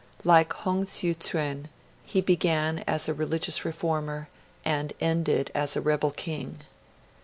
Like Hong siu tsuen, he began as a religious reformer, and ended as a rebel king.